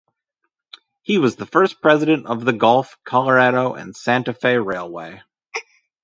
He was the first president of the Gulf, Colorado and Santa Fe Railway.